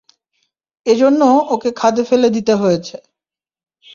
এজন্য ওকে খাদে ফেলে দিতে হয়েছে।